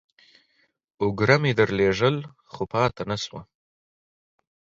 اوگره مې درلېږل ، خو پاته نسوه.